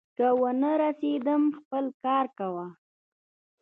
که ونه رسېدم، خپل کار کوه.